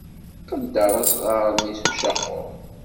Qedder asɣar-nni s ucaqur.